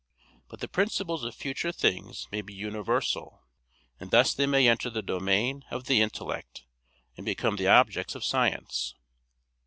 But the principles of future things may be universal; and thus they may enter the domain of the intellect and become the objects of science.